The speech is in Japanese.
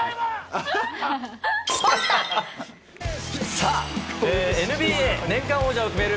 さあ、ＮＢＡ年間王者を決める